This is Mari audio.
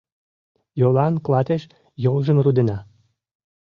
Йолан клатеш йолжым рудена